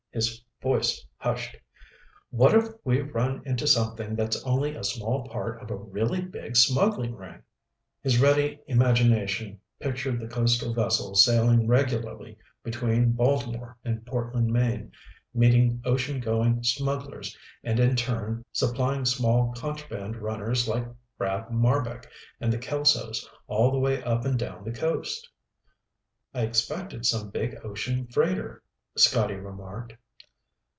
His voice hushed. "What if we've run into something that's only a small part of a really big smuggling ring?" His ready imagination pictured the coastal vessel sailing regularly between Baltimore and Portland, Maine, meeting ocean going smugglers and in turn supplying small contraband runners like Brad Marbek and the Kelsos all the way up and down the coast. "I expected some big ocean freighter," Scotty remarked.